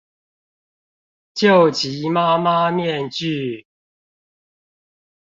救急媽媽面具